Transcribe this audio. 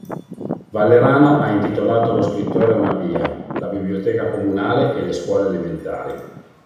Vallerano ha intitolato allo scrittore una via, la biblioteca comunale e le scuole elementari.